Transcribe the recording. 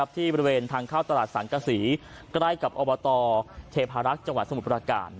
ที่บริเวณทางข้าวตลาดศาลกะศรีใกล้กับอวตเทพารักษณ์จสมุทรปราการ